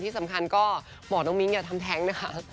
ที่สำคัญก็บอกน้องมิ้งอย่าทำแท้งนะคะ